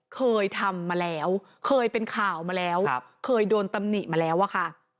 เคยทำมาแล้วเคยเป็นข่าวมาแล้วเคยโดนตำหนิมาแล้วอะค่ะ